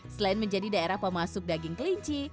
selain menjadi daerah pemasuk daging kelinci